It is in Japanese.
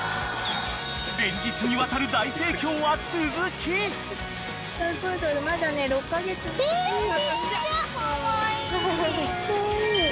［連日にわたる大盛況は続き］えちっちゃ！